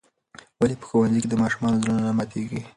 ولې په ښوونځي کې د ماشومانو زړونه نه ماتیږي؟